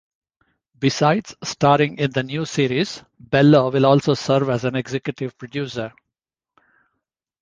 Besides starring in the new series, Bello will also serve as an executive producer.